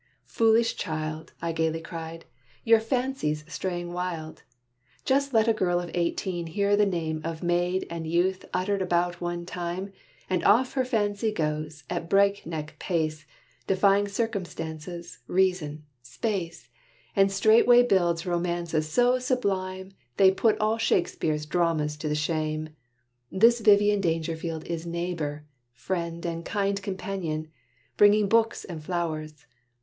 "Foolish child!" I gayly cried, "your fancy's straying wild. Just let a girl of eighteen hear the name Of maid and youth uttered about one time, And off her fancy goes, at break neck pace, Defying circumstances, reason, space And straightway builds romances so sublime They put all Shakespeare's dramas to the shame. This Vivian Dangerfield is neighbor, friend And kind companion; bringing books and flowers.